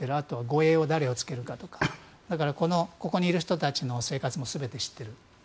護衛に誰をつけるかとかここにいる人たちの生活も全て知っている。